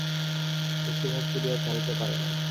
শশী মুখ তুলিয়া চাহিতে পারে নাই।